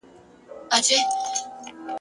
په محراب او منبر ښکلی بیرغ غواړم !.